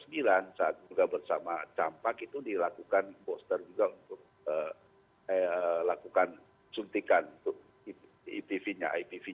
dan saat juga bersama campak itu dilakukan imposter juga untuk lakukan suntikan untuk ipv nya